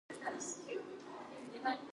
ショウガ